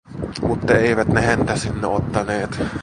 Mutta eivät ne häntä sinne ottaneet.